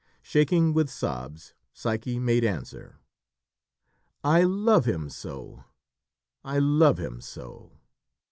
Shaking with sobs, Psyche made answer: "I love him so!... I love him so!"